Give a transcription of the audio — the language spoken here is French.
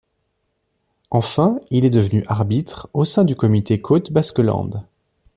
Enfin, il est devenu arbitre au sein du comité Côte Basque-Landes.